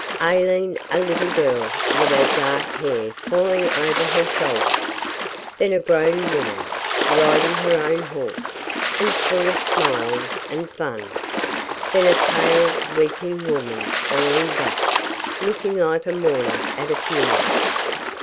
Aileen a little girl, with her dark hair falling over her shoulders; then a grown woman, riding her own horse, and full of smiles and fun; then a pale, weeping woman all in black, looking like a mourner at a funeral.